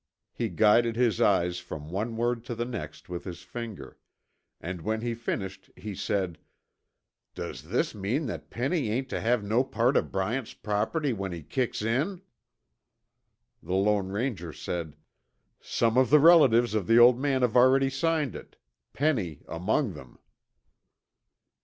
He guided his eyes from one word to the next with his finger, and when he finished he said, "Does this mean that Penny ain't tuh have no part o' Bryant's property when he kicks in?" The Lone Ranger said, "Some of the relatives of the old man have already signed it. Penny among them."